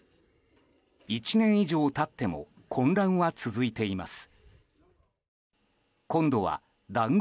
１年以上経っても混乱は続いています。